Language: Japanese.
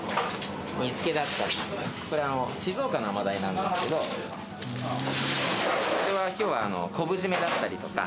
煮つけだったり、これ、静岡のアマダイなんですけれども、これはきょうは、昆布締めだったりとか。